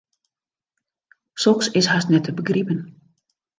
Soks is hast net te begripen.